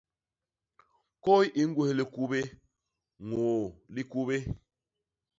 Kôy i ñgwés likubé; ññôô likubé.